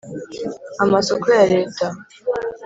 amasoko ya Leta